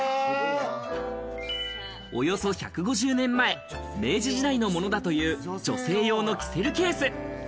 およそ１５０年前、明治時代のものだという女性用のキセルケース。